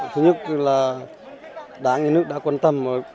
thứ nhất là đảng nhà nước đã quan tâm